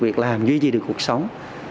việc làm duy trì được cuộc sống